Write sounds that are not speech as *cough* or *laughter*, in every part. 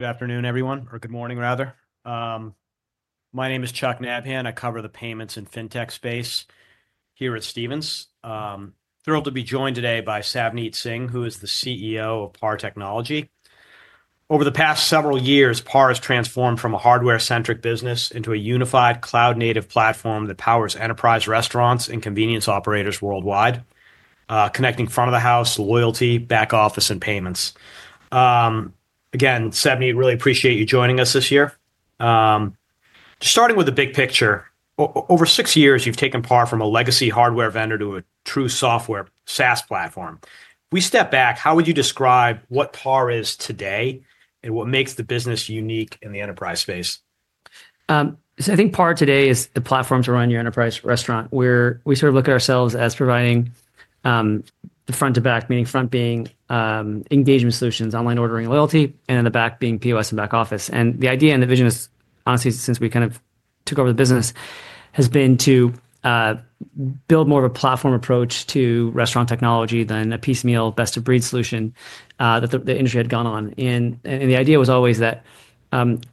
Good afternoon, everyone, or good morning, rather. My name is Chuck Nabhan. I cover the payments and fintech space here at Stephens. Thrilled to be joined today by Savneet Singh, who is the CEO of PAR Technology. Over the past several years, PAR has transformed from a hardware-centric business into a unified cloud-native platform that powers enterprise restaurants and convenience operators worldwide, connecting front-of-the-house, loyalty, back office, and payments. Again, Savneet, really appreciate you joining us this year. Just starting with the big picture, over six years, you've taken PAR from a legacy hardware vendor to a true software SaaS platform. If we step back, how would you describe what PAR is today and what makes the business unique in the enterprise space? I think PAR today is the platform to run your enterprise restaurant. We sort of look at ourselves as providing the front to back, meaning front being engagement solutions, online ordering, loyalty, and then the back being POS and back office. The idea and the vision, honestly, since we kind of took over the business, has been to build more of a platform approach to restaurant technology than a piecemeal, best-of-breed solution that the industry had gone on. The idea was always that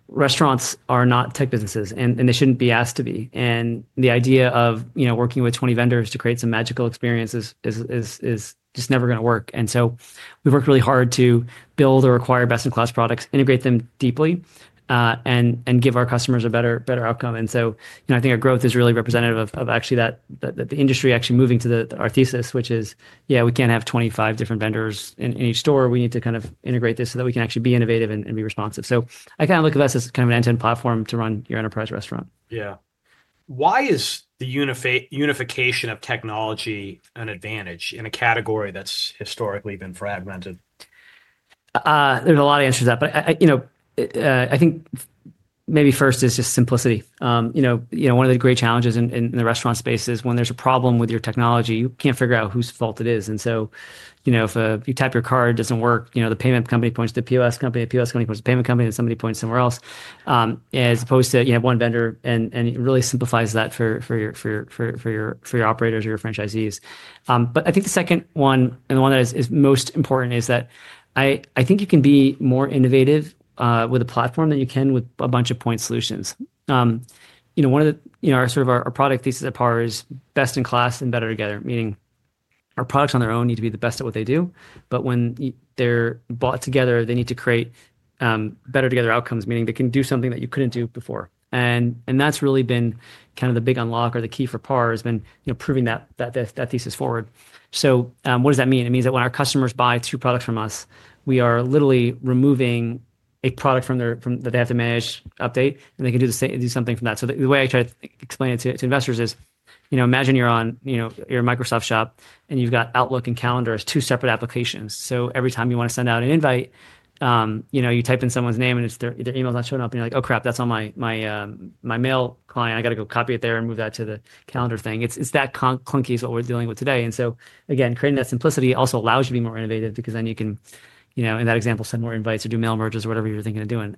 restaurants are not tech businesses, and they shouldn't be asked to be. The idea of working with 20 vendors to create some magical experiences is just never going to work. We have worked really hard to build or acquire best-in-class products, integrate them deeply, and give our customers a better outcome. I think our growth is really representative of actually the industry actually moving to our thesis, which is, yeah, we can't have 25 different vendors in each store. We need to kind of integrate this so that we can actually be innovative and be responsive. I kind of look at us as kind of an end-to-end platform to run your enterprise restaurant. Yeah. Why is the unification of technology an advantage in a category that's historically been fragmented? There's a lot of answers to that. I think maybe first is just simplicity. One of the great challenges in the restaurant space is when there's a problem with your technology, you can't figure out whose fault it is. If you type your card, it doesn't work. The payment company points to the POS company, the POS company points to the payment company, and somebody points somewhere else, as opposed to one vendor, and it really simplifies that for your operators or your franchisees. I think the second one, and the one that is most important, is that I think you can be more innovative with a platform than you can with a bunch of point solutions. One of our sort of product theses at PAR is best in class and better together, meaning our products on their own need to be the best at what they do. When they're bought together, they need to create better together outcomes, meaning they can do something that you couldn't do before. That's really been kind of the big unlock or the key for PAR has been proving that thesis forward. What does that mean? It means that when our customers buy two products from us, we are literally removing a product that they have to manage, update, and they can do something from that. The way I try to explain it to investors is imagine you're in your Microsoft shop, and you've got Outlook and Calendar as two sePARate applications. Every time you want to send out an invite, you type in someone's name, and their email's not showing up, and you're like, "Oh, crap. That's on my mail client. I got to go copy it there and move that to the calendar thing." It's that clunky is what we're dealing with today. Again, creating that simplicity also allows you to be more innovative because then you can, in that example, send more invites or do mail merges or whatever you're thinking of doing.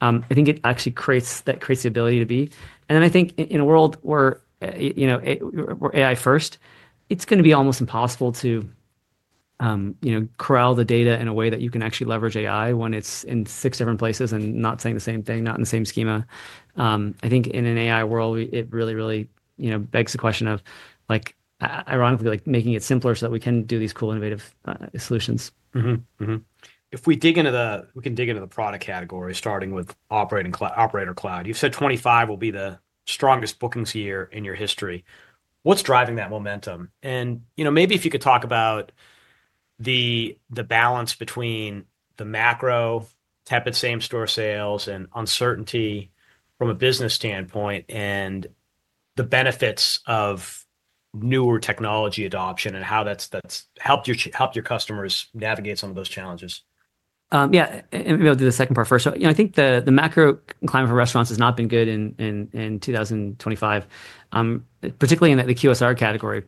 I think it actually creates the ability to be. I think in a world where AI first, it's going to be almost impossible to corral the data in a way that you can actually leverage AI when it's in six different places and not saying the same thing, not in the same schema. I think in an AI world, it really, really begs the question of, ironically, making it simpler so that we can do these cool, innovative solutions. If we dig into the product category, starting with Operator Cloud, you've said 2025 will be the strongest bookings year in your history. What's driving that momentum? Maybe if you could talk about the balance between the macro, Teppert, same store sales and uncertainty from a business standpoint and the benefits of newer technology adoption and how that's helped your customers navigate some of those challenges. Yeah. Maybe I'll do the second part first. I think the macro climate for restaurants has not been good in 2025, particularly in the QSR category,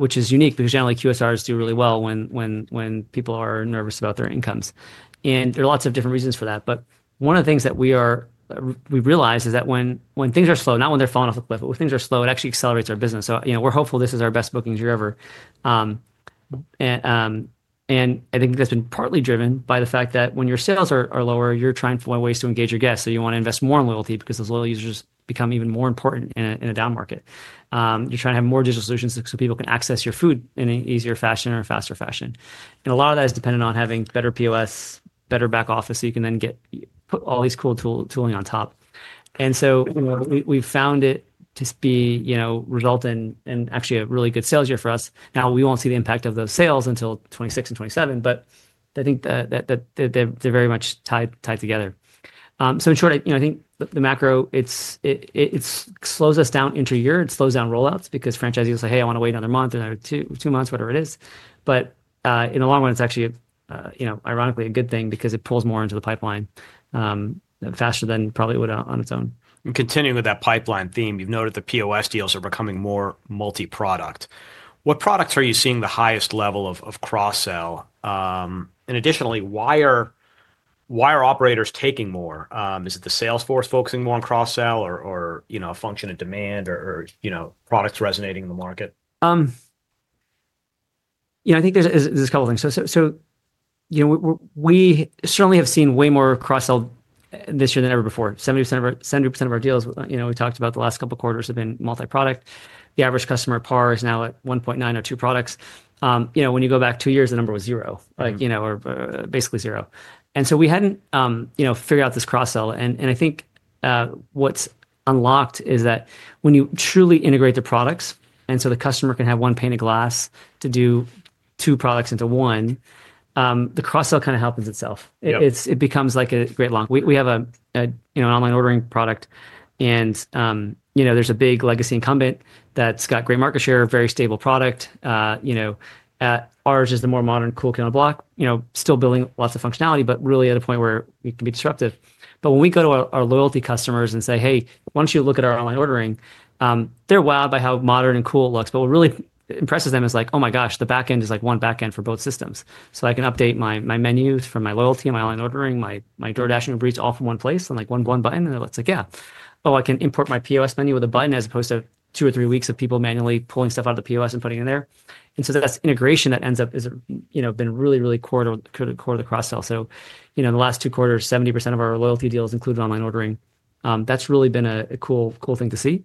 which is unique because generally, QSRs do really well when people are nervous about their incomes. There are lots of different reasons for that. One of the things that we realize is that when things are slow, not when they're falling off the cliff, but when things are slow, it actually accelerates our business. We're hopeful this is our best bookings year ever. I think that's been partly driven by the fact that when your sales are lower, you're trying to find ways to engage your guests. You want to invest more in loyalty because those loyal users become even more important in a down market. You're trying to have more digital solutions so people can access your food in an easier fashion or faster fashion. A lot of that is dependent on having better POS, better Back Office so you can then put all these cool tooling on top. We've found it to result in actually a really good sales year for us. Now, we won't see the impact of those sales until '26 and '27, but I think they're very much tied together. In short, I think the macro, it slows us down into a year. It slows down rollouts because franchisees will say, "Hey, I want to wait another month or two months," whatever it is. In the long run, it's actually, ironically, a good thing because it pulls more into the pipeline faster than probably it would on its own. Continuing with that pipeline theme, you've noted the POS deals are becoming more multi-product. What products are you seeing the highest level of cross-sell? Additionally, why are operators taking more? Is it the sales force focusing more on cross-sell or a function of demand or products resonating in the market? I think there's a couple of things. We certainly have seen way more cross-sell this year than ever before. 70% of our deals we talked about the last couple of quarters have been multi-product. The average customer at PAR is now at 1.9 or two products. When you go back two years, the number was zero, basically zero. We hadn't figured out this cross-sell. I think what's unlocked is that when you truly integrate the products and the customer can have one pane of glass to do two products into one, the cross-sell kind of happens itself. It becomes like a great long. We have an online ordering product, and there's a big legacy incumbent that's got great market share, very stable product. Ours is the more modern cool kind of block, still building lots of functionality, but really at a point where it can be disruptive. When we go to our loyalty customers and say, "Hey, why don't you look at our online ordering?" they're wowed by how modern and cool it looks. What really impresses them is like, "Oh my gosh, the back end is like one back end for both systems." I can update my menu from my loyalty and my online ordering, my DoorDash and Uber Eats all from one place on one button. It's like, "Yeah." I can import my POS menu with a button as opposed to two or three weeks of people manually pulling stuff out of the POS and putting it in there. That integration that ends up has been really, really core to the cross-sell. In the last two quarters, 70% of our loyalty deals include online ordering. That's really been a cool thing to see.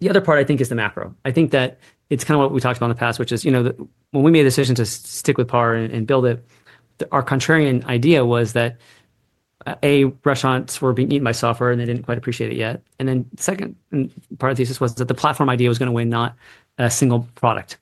The other part, I think, is the macro. I think that it's kind of what we talked about in the past, which is when we made a decision to stick with PAR and build it, our contrarian idea was that, A, restaurants were being eaten by software, and they didn't quite appreciate it yet. The second part of the thesis was that the platform idea was going to win, not a single product.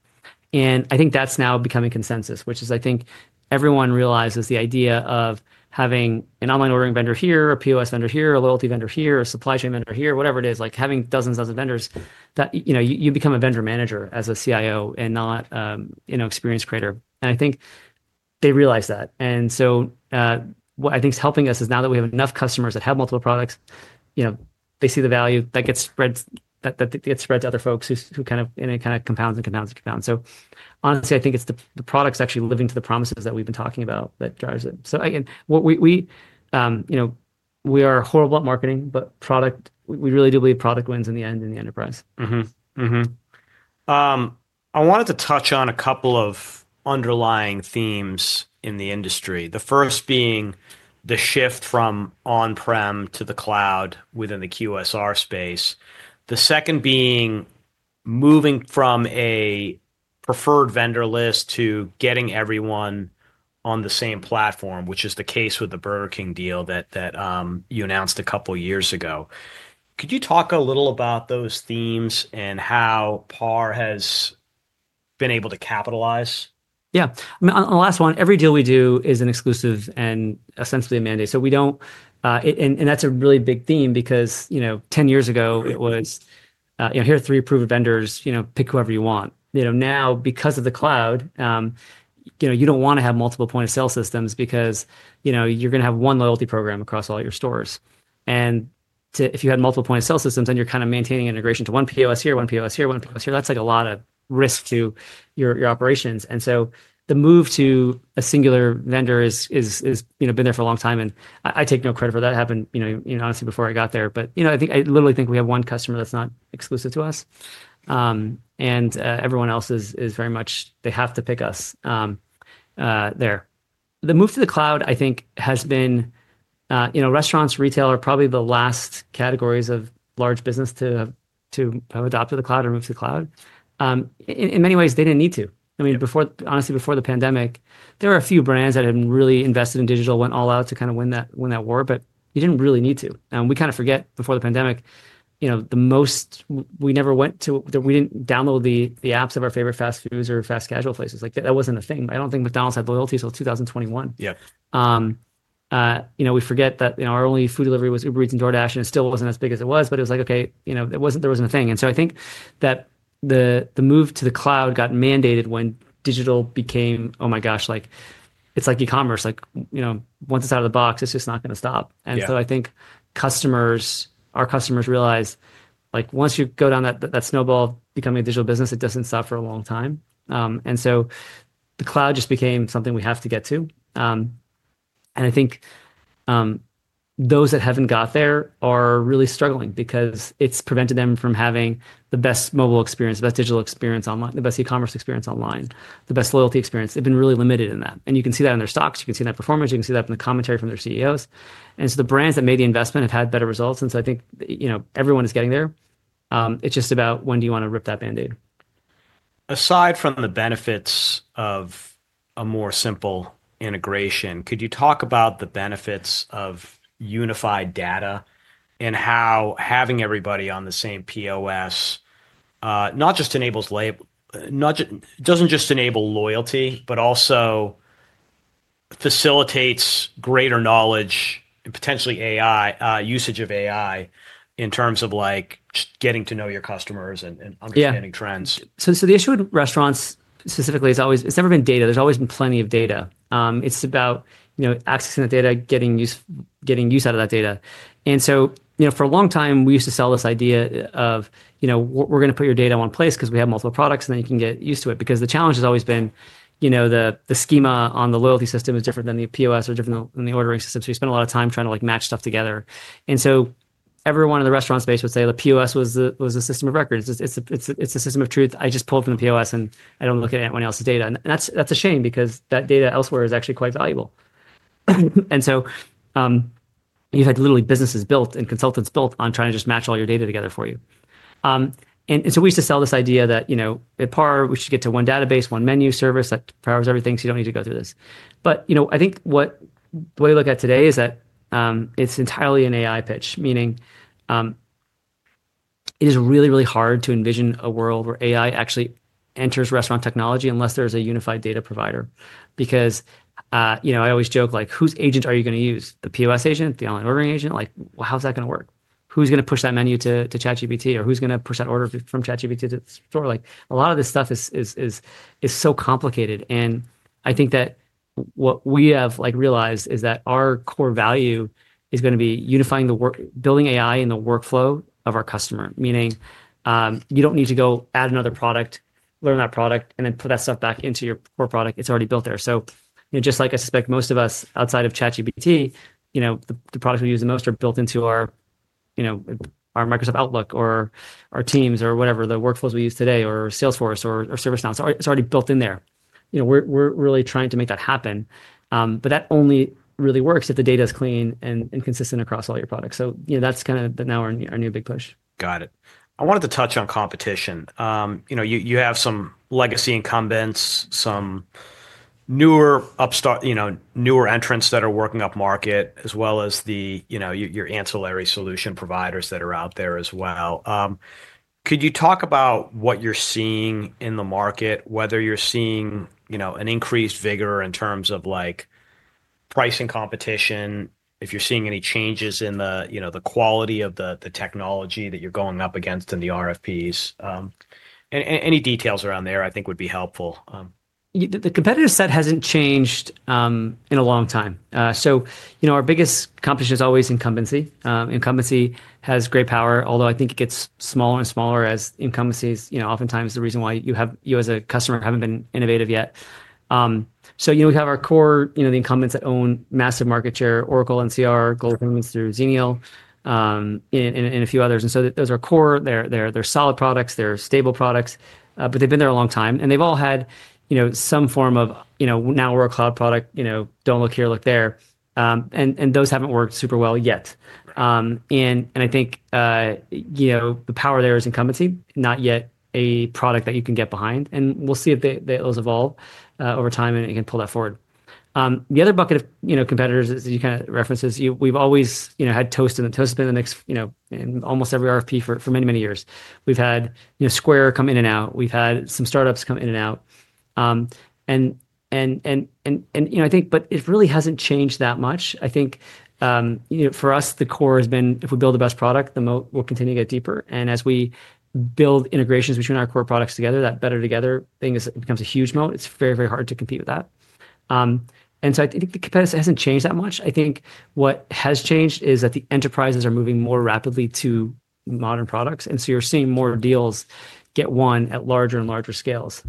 I think that's now becoming consensus, which is I think everyone realizes the idea of having an online ordering vendor here, a POS vendor here, a loyalty vendor here, a supply chain vendor here, whatever it is, like having dozens of dozens of vendors, that you become a vendor manager as a CIO and not an experience creator. I think they realize that. What I think is helping us is now that we have enough customers that have multiple products, they see the value that gets spread to other folks who kind of in a kind of compounds and compounds and compounds. Honestly, I think it's the products actually living to the promises that we've been talking about that drives it. We are horrible at marketing, but we really do believe product wins in the end in the enterprise. I wanted to touch on a couple of underlying themes in the industry, the first being the shift from on-prem to the cloud within the QSR space, the second being moving from a preferred vendor list to getting everyone on the same platform, which is the case with the Burger King deal that you announced a couple of years ago. Could you talk a little about those themes and how PAR has been able to capitalize? Yeah. On the last one, every deal we do is an exclusive and essentially a mandate. That's a really big theme because 10 years ago, it was, "Here are three approved vendors. Pick whoever you want." Now, because of the cloud, you don't want to have multiple point of sale systems because you're going to have one loyalty program across all your stores. If you had multiple point of sale systems and you're kind of maintaining integration to one POS here, one POS here, one POS here, that's like a lot of risk to your operations. The move to a singular vendor has been there for a long time. I take no credit for that happened, honestly, before I got there. I literally think we have one customer that's not exclusive to us. Everyone else is very much they have to pick us there. The move to the cloud, I think, has been restaurants, retail are probably the last categories of large business to adopt to the cloud or move to the cloud. In many ways, they did not need to. I mean, honestly, before the pandemic, there were a few brands that had really invested in digital, went all out to kind of win that war, but you did not really need to. We kind of forget before the pandemic, we never went to we did not download the apps of our favorite fast foods or fast casual places. That was not a thing. I do not think McDonald's had loyalties till 2021. We forget that our only food delivery was Uber Eats and DoorDash, and it still wasn't as big as it was, but it was like, "Okay, there wasn't a thing." I think that the move to the cloud got mandated when digital became, "Oh my gosh, it's like e-commerce. Once it's out of the box, it's just not going to stop." I think our customers realize once you go down that snowball becoming a digital business, it doesn't stop for a long time. The cloud just became something we have to get to. I think those that haven't got there are really struggling because it's prevented them from having the best mobile experience, the best digital experience online, the best e-commerce experience online, the best loyalty experience. They've been really limited in that. You can see that in their stocks. You can see that in their performance. You can see that from the commentary from their CEOs. The brands that made the investment have had better results. I think everyone is getting there. It's just about when do you want to rip that Band-Aid. Aside from the benefits of a more simple integration, could you talk about the benefits of unified data and how having everybody on the same POS not just enables loyalty, but also facilitates greater knowledge and potentially usage of AI in terms of getting to know your customers and understanding trends? The issue with restaurants specifically has always it's never been data. There's always been plenty of data. It's about accessing the data, getting use out of that data. For a long time, we used to sell this idea of, "We're going to put your data in one place because we have multiple products, and then you can get used to it." The challenge has always been the schema on the loyalty system is different than the POS or different than the ordering system. We spent a lot of time trying to match stuff together. Everyone in the restaurant space would say the POS was a system of records. It's a system of truth. I just pulled from the POS, and I don't look at anyone else's data. That's a shame because that data elsewhere is actually quite valuable. You've had literally businesses built and consultants built on trying to just match all your data together for you. We used to sell this idea that at PAR, we should get to one database, one menu service that powers everything, so you don't need to go through this. I think the way we look at it today is that it's entirely an AI pitch, meaning it is really, really hard to envision a world where AI actually enters restaurant technology unless there is a unified data provider. I always joke, "Whose agent are you going to use? The POS agent, the online ordering agent? How's that going to work? Who's going to push that menu to ChatGPT, or who's going to push that order from ChatGPT to the store?" A lot of this stuff is so complicated. I think that what we have realized is that our core value is going to be unifying the building AI in the workflow of our customer, meaning you do not need to go add another product, learn that product, and then put that stuff back into your core product. It is already built there. Just like I suspect most of us outside of ChatGPT, the products we use the most are built into our Microsoft Outlook or our Teams or whatever, the workflows we use today or Salesforce or ServiceNow. It is already built in there. We are really trying to make that happen. That only really works if the data is clean and consistent across all your products. That is kind of now our new big push. Got it. I wanted to touch on competition. You have some legacy incumbents, some newer entrants that are working up market, as well as your ancillary solution providers that are out there as well. Could you talk about what you're seeing in the market, whether you're seeing an increased vigor in terms of pricing competition, if you're seeing any changes in the quality of the technology that you're going up against in the RFPs? Any details around there, I think, would be helpful. The competitive set hasn't changed in a long time. Our biggest competition is always incumbency. Incumbency has great power, although I think it gets smaller and smaller as incumbency is oftentimes the reason why you as a customer haven't been innovative yet. We have our core, the incumbents that own massive market share, Oracle, NCR, Global Payments through Zenio, and a few others. Those are core. They're solid products. They're stable products. They've been there a long time. They've all had some form of, "Now we're a cloud product. Don't look here. Look there." Those haven't worked super well yet. I think the power there is incumbency, not yet a product that you can get behind. We'll see if those evolve over time and can pull that forward. The other bucket of competitors that you kind of referenced, we've always had Toast and Toast has been the mix in almost every RFP for many, many years. We've had Square come in and out. We've had some startups come in and out. I think it really hasn't changed that much. I think for us, the core has been, if we build the best product, the moat will continue to get deeper. As we build integrations between our core products together, that better together thing becomes a huge moat. It's very, very hard to compete with that. I think the competitive set hasn't changed that much. I think what has changed is that the enterprises are moving more rapidly to modern products. You're seeing more deals get won at larger and larger scales.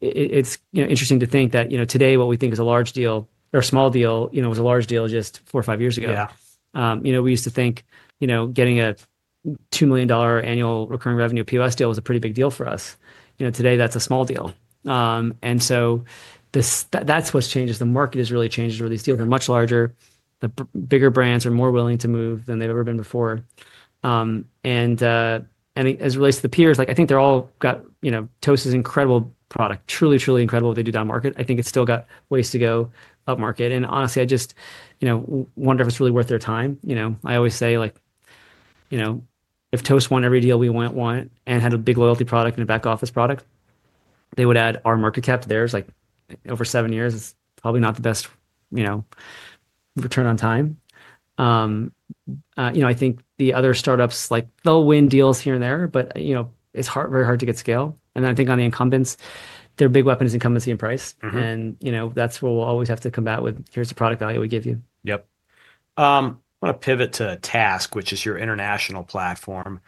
It's interesting to think that today what we think is a large deal or a small deal was a large deal just four or five years ago. We used to think getting a $2 million annual recurring revenue POS deal was a pretty big deal for us. Today, that's a small deal. That's what's changed. The market has really changed where these deals are much larger. The bigger brands are more willing to move than they've ever been before. As it relates to the peers, I think they've all got Toast is an incredible product, truly, truly incredible what they do down market. I think it's still got ways to go up market. Honestly, I just wonder if it's really worth their time. I always say if Toast won every deal we want and had a big Loyalty product and a Back Office product, they would add our market cap to theirs. Over seven years, it's probably not the best return on time. I think the other startups, they'll win deals here and there, but it's very hard to get scale. I think on the incumbents, their big weapon is incumbency and price. That's where we'll always have to combat with, "Here's the product value we give you. Yep. I want to pivot to Task, which is your international platform.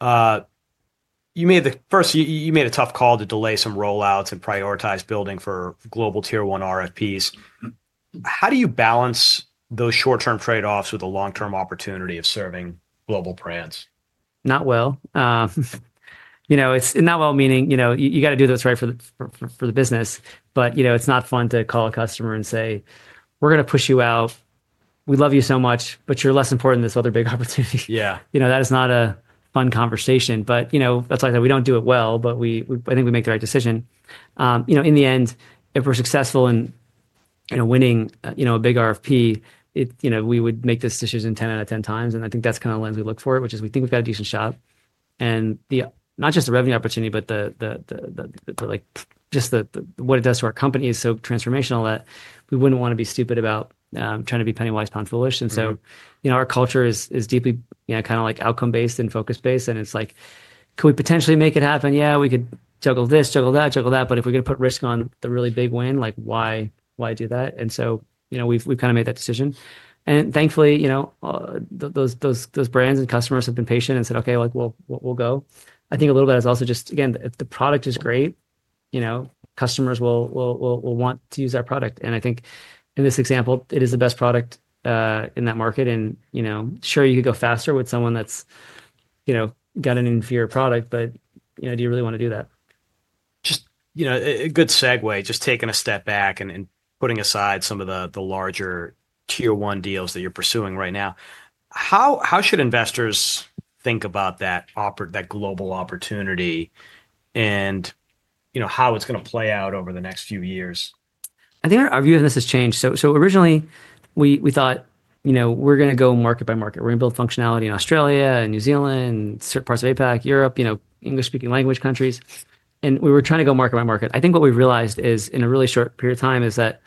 First, you made a tough call to delay some rollouts and prioritize building for global tier one RFPs. How do you balance those short-term trade-offs with the long-term opportunity of serving global brands? Not well. Not well meaning you got to do this right for the business, but it's not fun to call a customer and say, "We're going to push you out. We love you so much, but you're less important than this other big opportunity." That is not a fun conversation. That is why I said we don't do it well, but I think we make the right decision. In the end, if we're successful in winning a big RFP, we would make this decision 10 out of 10 times. I think that's kind of the lens we look for, which is we think we've got a decent shot. Not just the revenue opportunity, but just what it does to our company is so transformational that we wouldn't want to be stupid about trying to be Pennywise Pound Foolish. Our culture is deeply kind of outcome-based and focus-based. It's like, "Can we potentially make it happen? Yeah, we could juggle this, juggle that, juggle that. If we're going to put risk on the really big win, why do that?" We have kind of made that decision. Thankfully, those brands and customers have been patient and said, "Okay, we'll go." I think a little bit is also just, again, if the product is great, customers will want to use our product. I think in this example, it is the best product in that market. Sure, you could go faster with someone that's got an inferior product, but do you really want to do that? Just a good segue, just taking a step back and putting aside some of the larger tier one deals that you're pursuing right now. How should investors think about that global opportunity and how it's going to play out over the next few years? I think our view of this has changed. Originally, we thought we're going to go market by market. We're going to build functionality in Australia and New Zealand and certain parts of APAC, Europe, English-speaking language countries. We were trying to go market by market. I think what we realized in a really short period of time is that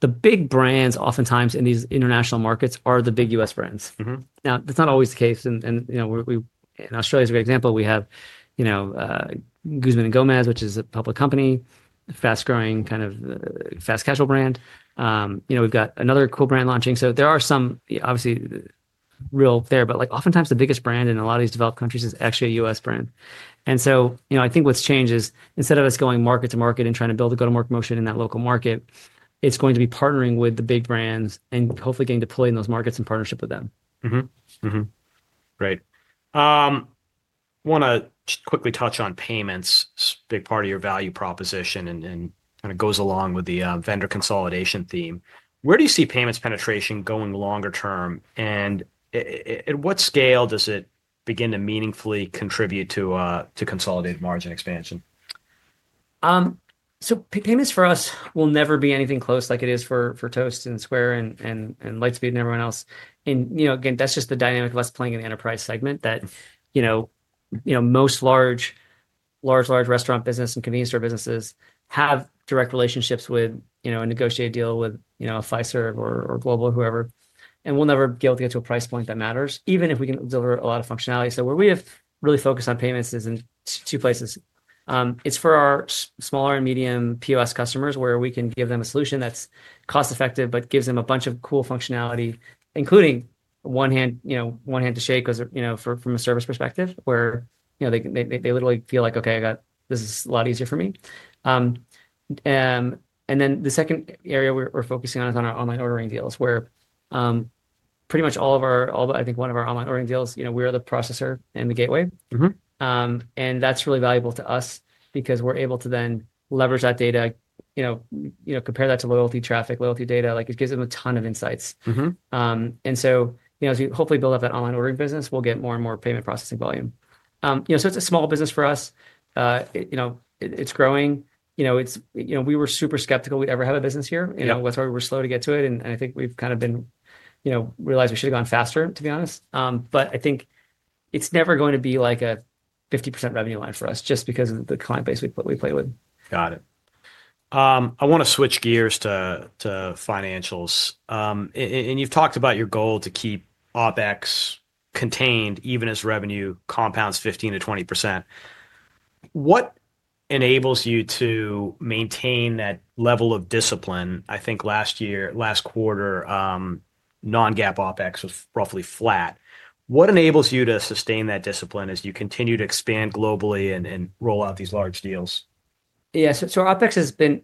the big brands oftentimes in these international markets are the big US brands. Now, that's not always the case. Australia is a good example. We have Guzman y Gomez, which is a public company, a fast-growing kind of fast casual brand. We've got another cool brand launching. There are some, obviously, real there, but oftentimes the biggest brand in a lot of these developed countries is actually a US brand. I think what's changed is instead of us going market to market and trying to build a go-to-market motion in that local market, it's going to be partnering with the big brands and hopefully getting deployed in those markets in partnership with them. Great. I want to quickly touch on payments, big part of your value proposition and kind of goes along with the vendor consolidation theme. Where do you see payments penetration going longer term? At what scale does it begin to meaningfully contribute to consolidated margin expansion? Payments for us will never be anything close like it is for Toast and Square and Lightspeed and everyone else. Again, that's just the dynamic of us playing in the enterprise segment that most large, large, large restaurant business and convenience store businesses have direct relationships with and negotiate a deal with Fiserv or Global, whoever. We'll never be able to get to a price point that matters, even if we can deliver a lot of functionality. Where we have really focused on payments is in two places. It's for our smaller and medium POS customers where we can give them a solution that's cost-effective but gives them a bunch of cool functionality, including one hand to shake from a service perspective where they literally feel like, "Okay, this is a lot easier for me." The second area we're focusing on is on our online ordering deals where pretty much all of our, I think, one of our online ordering deals, we are the processor and the gateway. That's really valuable to us because we're able to then leverage that data, comPARe that to loyalty traffic, loyalty data. It gives them a ton of insights. As we hopefully build up that online ordering business, we'll get more and more payment processing volume. It's a small business for us. It's growing. We were super skeptical we'd ever have a business here. That's why we were slow to get to it. I think we've kind of been realized we should have gone faster, to be honest. I think it's never going to be like a 50% revenue line for us just because of the client base we play with. Got it. I want to switch gears to financials. You've talked about your goal to keep OpEx contained even as revenue compounds 15%-20%. What enables you to maintain that level of discipline? I think last year, last quarter, non-GAAP OpEx was roughly flat. What enables you to sustain that discipline as you continue to expand globally and roll out these large deals? Yeah. OpEx has been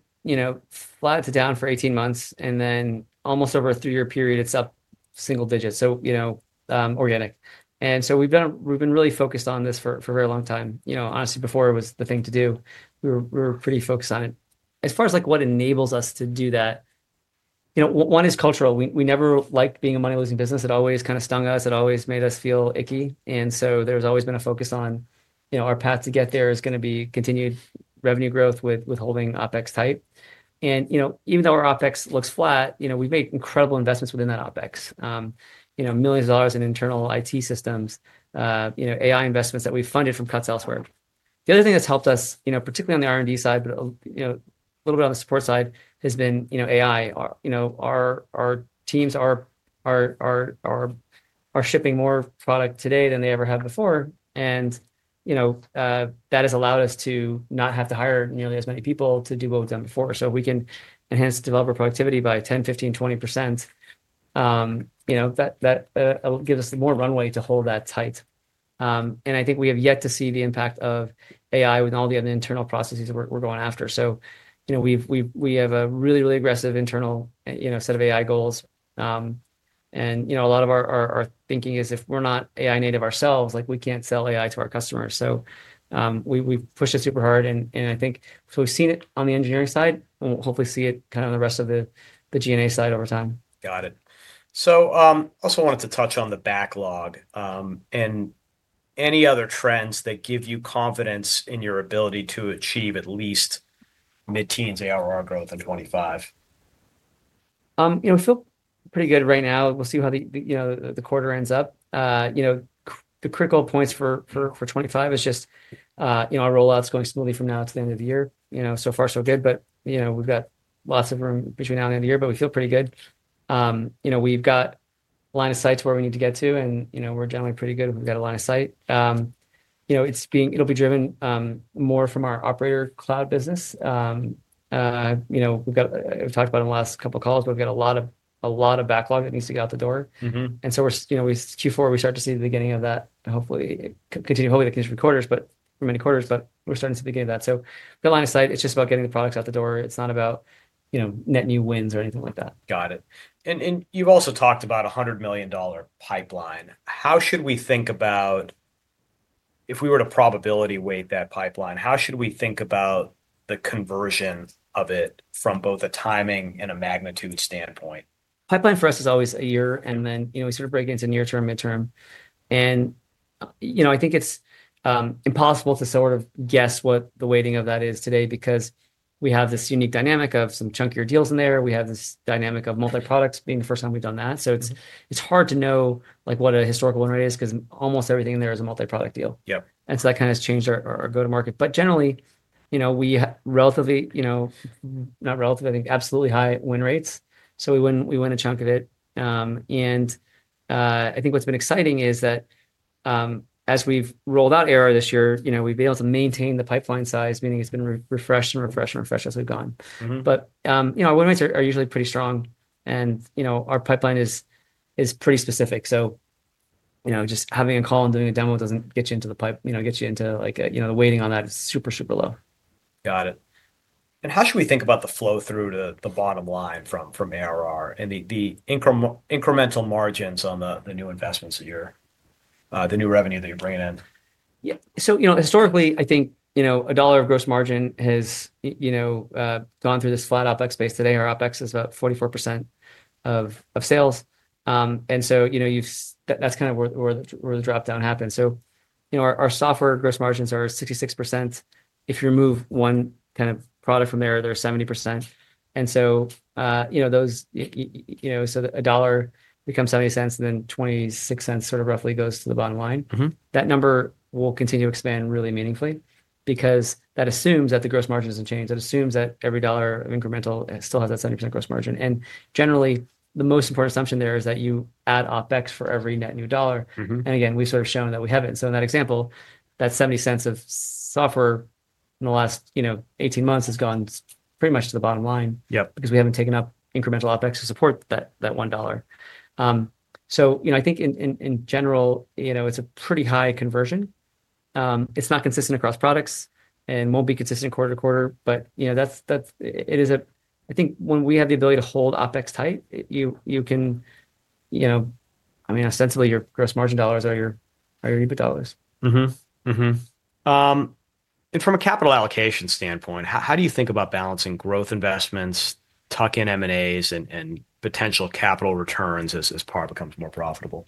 flat down for 18 months. Then almost over a three-year period, it's up single digits, so organic. We've been really focused on this for a very long time. Honestly, before it was the thing to do, we were pretty focused on it. As far as what enables us to do that, one is cultural. We never liked being a money-losing business. It always kind of stung us. It always made us feel icky. There has always been a focus on our path to get there is going to be continued revenue growth with holding OpEx tight. Even though our OpEx looks flat, we've made incredible investments within that OpEx, millions of dollars in internal IT systems, AI investments that we've funded from cuts elsewhere. The other thing that's helped us, particularly on the R&D side, but a little bit on the support side, has been AI. Our teams are shipping more product today than they ever have before. That has allowed us to not have to hire nearly as many people to do what we've done before. If we can enhance developer productivity by 10%, 15%, 20%, that gives us more runway to hold that tight. I think we have yet to see the impact of AI with all the other internal processes we're going after. We have a really, really aggressive internal set of AI goals. A lot of our thinking is if we're not AI native ourselves, we can't sell AI to our customers. We push it super hard. I think so we've seen it on the engineering side and we'll hopefully see it kind of on the rest of the G&A side over time. Got it. I also wanted to touch on the backlog and any other trends that give you confidence in your ability to achieve at least mid-teens ARR growth in 2025. We feel pretty good right now. We'll see how the quarter ends up. The critical points for '25 is just our rollout's going smoothly from now to the end of the year. So far, so good, but we've got lots of room between now and the end of the year, but we feel pretty good. We've got a line of sight where we need to get to, and we're generally pretty good. We've got a line of sight. It'll be driven more from our Operator Cloud business. We've talked about it in the last couple of calls, but we've got a lot of backlog that needs to get out the door. Q4, we start to see the beginning of that, hopefully the continuation of quarters, but for many quarters, but we're starting to see the beginning of that. We've got a line of sight. It's just about getting the products out the door. It's not about net new wins or anything like that. Got it. You have also talked about a $100 million pipeline. How should we think about if we were to probability weight that pipeline, how should we think about the conversion of it from both a timing and a magnitude standpoint? Pipeline for us is always a year, and then we sort of break it into near-term, mid-term. I think it's impossible to sort of guess what the weighting of that is today because we have this unique dynamic of some chunkier deals in there. We have this dynamic of multi-products being the first time we've done that. It's hard to know what a historical win rate is because almost everything in there is a multi-product deal. That kind of has changed our go-to-market. Generally, we have relatively, not relatively, I think absolutely high win rates. We win a chunk of it. I think what's been exciting is that as we've rolled out ARR this year, we've been able to maintain the pipeline size, meaning it's been refreshed and refreshed and refreshed as we've gone. Our win rates are usually pretty strong, and our pipeline is pretty specific. Just having a call and doing a demo does not get you into the pipe. Getting you into the weighting on that is super, super low. Got it. How should we think about the flow through to the bottom line from ARR and the incremental margins on the new investments that you're, the new revenue that you're bringing in? Yeah. Historically, I think a dollar of gross margin has gone through this flat OpEx space today. Our OpEx is about 44% of sales. That is kind of where the dropdown happens. Our software gross margins are 66%. If you remove one kind of product from there, they are 70%. A dollar becomes $0.70, and then $0.26 sort of roughly goes to the bottom line. That number will continue to expand really meaningfully because that assumes that the gross margin does not change. That assumes that every dollar of incremental still has that 70% gross margin. Generally, the most important assumption there is that you add OpEx for every net new dollar. Again, we have sort of shown that we have not. In that example, that 70 cents of software in the last 18 months has gone pretty much to the bottom line because we haven't taken up incremental OpEx to support that one dollar. I think in general, it's a pretty high conversion. It's not consistent across products and won't be consistent quarter to quarter, but it is a, I think when we have the ability to hold OpEx tight, you can, I mean, ostensibly your gross margin dollars are your EBIT dollars. From a capital allocation standpoint, how do you think about balancing growth investments, tuck-in M&As, and potential capital returns as PAR becomes more profitable?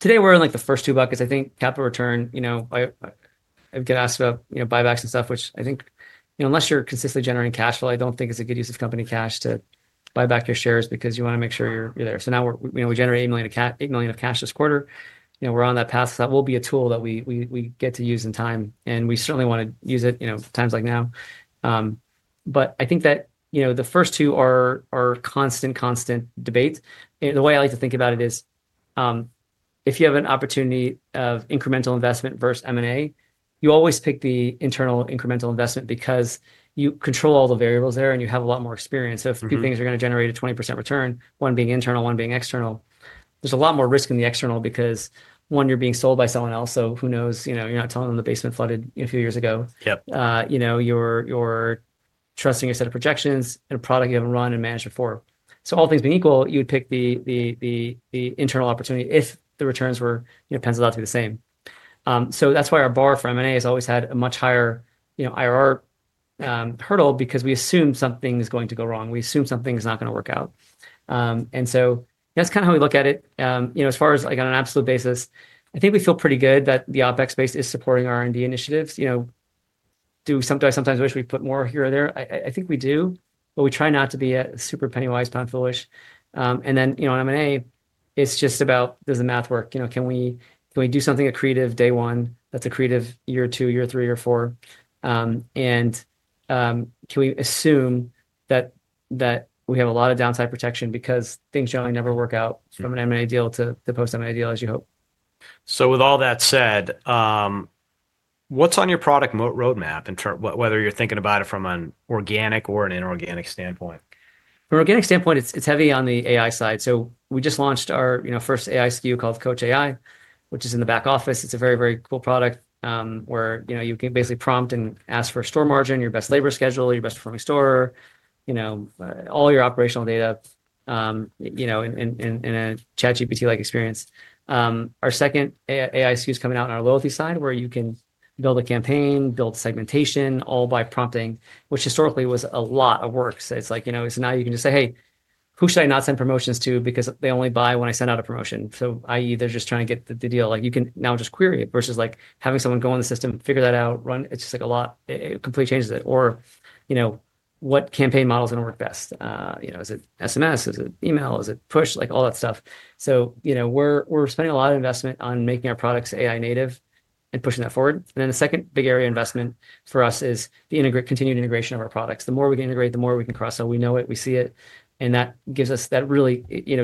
Today, we're in the first two buckets. I think capital return, I've been asked about buybacks and stuff, which I think unless you're consistently generating cash flow, I don't think it's a good use of company cash to buy back your shares because you want to make sure you're there. Now we generate $8 million of cash this quarter. We're on that path. That will be a tool that we get to use in time. We certainly want to use it times like now. I think that the first two are constant, constant debate. The way I like to think about it is if you have an opportunity of incremental investment versus M&A, you always pick the internal incremental investment because you control all the variables there and you have a lot more experience. If two things are going to generate a 20% return, one being internal, one being external, there's a lot more risk in the external because one, you're being sold by someone else. Who knows? You're not telling them the basement flooded a few years ago. You're trusting a set of projections and a product you haven't run and managed before. All things being equal, you would pick the internal opportunity if the returns were essentially the same. That's why our bar for M&A has always had a much higher IRR hurdle because we assume something is going to go wrong. We assume something is not going to work out. That's kind of how we look at it. As far as on an absolute basis, I think we feel pretty good that the OpEx space is supporting R&D initiatives. Do I sometimes wish we put more here or there? I think we do, but we try not to be super pennywise, pound foolish. On M&A, it's just about, does the math work? Can we do something accretive day one that's accretive year two, year three, year four? Can we assume that we have a lot of downside protection because things generally never work out from an M&A deal to post-M&A deal as you hope? With all that said, what's on your product roadmap, whether you're thinking about it from an organic or an inorganic standpoint? From an organic standpoint, it's heavy on the AI side. We just launched our first AI SKU called Coach AI, which is in the Back Office. It's a very, very cool product where you can basically prompt and ask for store margin, your best labor schedule, your best performing store, all your operational data in a ChatGPT-like experience. Our second AI SKU is coming out on our Loyalty side where you can build a campaign, build segmentation, all by prompting, which historically was a lot of work. Now you can just say, "Hey, who should I not send promotions to because they only buy when I send out a promotion?" I.e., they're just trying to get the deal. You can now just query it versus having someone go in the system, figure that out, run. It's just like a lot. It completely changes it. What campaign models are going to work best? Is it SMS? Is it email? Is it push? All that stuff. We're spending a lot of investment on making our products AI native and pushing that forward. The second big area of investment for us is the continued integration of our products. The more we can integrate, the more we can cross. We know it, we see it. That really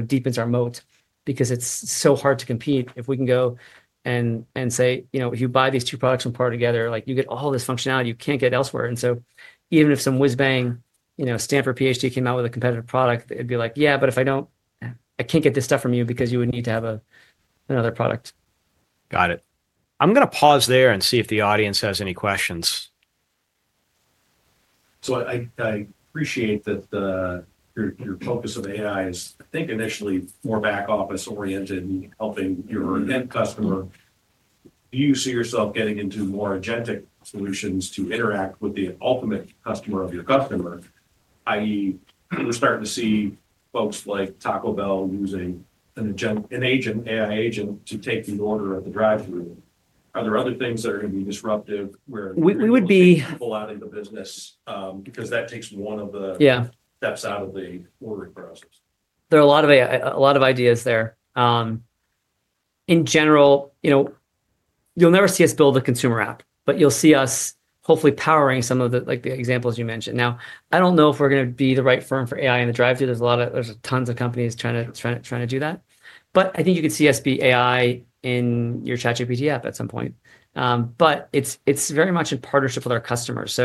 deepens our moat because it's so hard to compete. If we can go and say, "If you buy these two products from PAR together, you get all this functionality you can't get elsewhere." Even if some whizzbang Stanford PhD came out with a competitive product, it'd be like, "Yeah, but if I don't, I can't get this stuff from you because you would need to have another product. Got it. I'm going to pause there and see if the audience has any questions. I appreciate that your focus of AI is, I think, initially more back office oriented and helping your end customer. Do you see yourself getting into more agentic solutions to interact with the ultimate customer of your customer, i.e., we're starting to see folks like Taco Bell using an agent, an AI agent to take the order at the drive-thru. Are there other things that are going to be disruptive *crosstalk* where people pull out of the business because that takes one of the *crosstalk* steps out of the ordering process? There are a lot of ideas there. In general, you'll never see us build a consumer app, but you'll see us hopefully powering some of the examples you mentioned. Now, I don't know if we're going to be the right firm for AI in the drive-thru. There's tons of companies trying to do that. I think you could see us be AI in your ChatGPT app at some point. It is very much in partnership with our customers.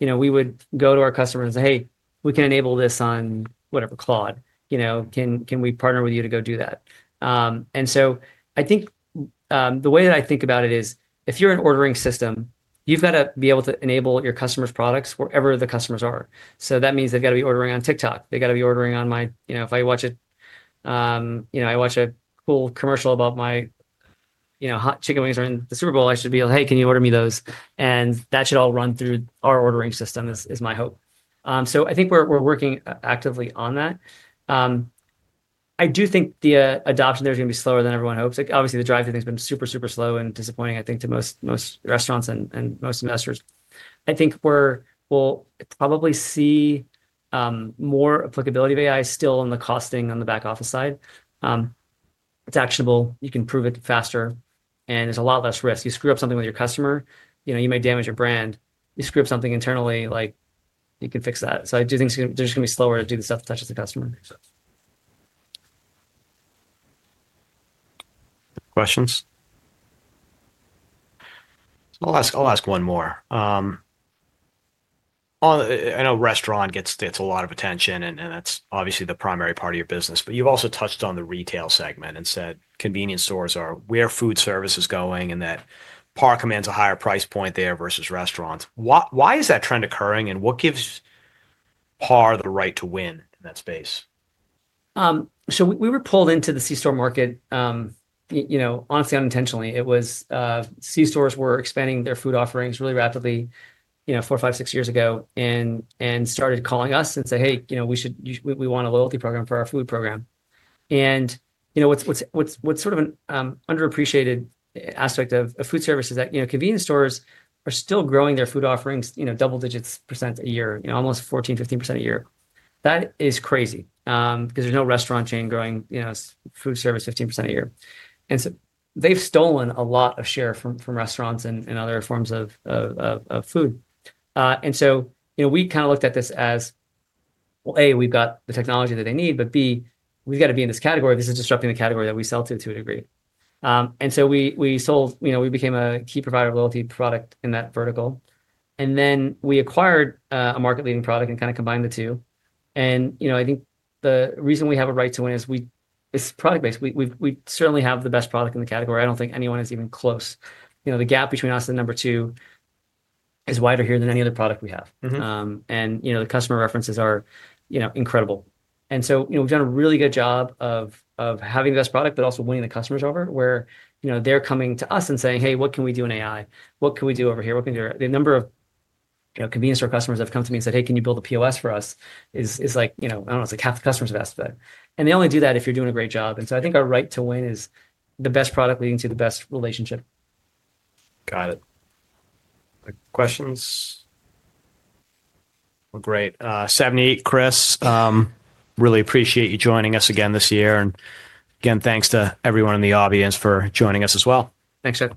We would go to our customers and say, "Hey, we can enable this on whatever, Claude. Can we partner with you to go do that?" I think the way that I think about it is if you're an ordering system, you've got to be able to enable your customers' products wherever the customers are. That means they've got to be ordering on TikTok. They've got to be ordering on my, if I watch it, I watch a cool commercial about my hot chicken wings during the Super Bowl, I should be able to, "Hey, can you order me those?" That should all run through our ordering system is my hope. I think we're working actively on that. I do think the adoption there is going to be slower than everyone hopes. Obviously, the drive-thru thing has been super, super slow and disappointing, I think, to most restaurants and most investors. I think we'll probably see more applicability of AI still on the costing on the back office side. It's actionable. You can prove it faster, and there's a lot less risk. You screw up something with your customer, you may damage your brand. You screw up something internally, you can fix that. I do think there's going to be slower to do the stuff that touches the customer. Questions? I'll ask one more. I know restaurant gets a lot of attention, and that's obviously the primary part of your business. But you've also touched on the retail segment and said convenience stores are where food service is going and that PAR commands a higher price point there versus restaurants. Why is that trend occurring, and what gives PAR the right to win in that space? We were pulled into the C-store market, honestly, unintentionally. C-stores were expanding their food offerings really rapidly four, five, six years ago and started calling us and say, "Hey, we want a loyalty program for our food program." What's sort of an underappreciated aspect of food service is that convenience stores are still growing their food offerings double digits % a year, almost 14%-15% a year. That is crazy because there's no restaurant chain growing food service 15% a year. They have stolen a lot of share from restaurants and other forms of food. We kind of looked at this as, A, we've got the technology that they need, but B, we've got to be in this category. This is disrupting the category that we sell to, to a degree. We became a key provider of loyalty product in that vertical. We acquired a market-leading product and kind of combined the two. I think the reason we have a right to win is it's product-based. We certainly have the best product in the category. I don't think anyone is even close. The gap between us and number two is wider here than any other product we have. The customer references are incredible. We have done a really good job of having the best product, but also winning the customers over where they're coming to us and saying, "Hey, what can we do in AI? What can we do over here? The number of convenience store customers have come to me and said, "Hey, can you build a POS for us?" It's like, I don't know, it's like half the customers have asked for that. They only do that if you're doing a great job. I think our right to win is the best product leading to the best relationship. Got it. Questions? Great, Savneet Singh. Really appreciate you joining us again this year. Again, thanks to everyone in the audience for joining us as well. Thanks, Chuck.